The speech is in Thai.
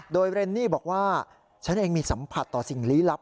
โดยเรนนี่บอกว่าฉันเองมีสัมผัสต่อสิ่งลี้ลับ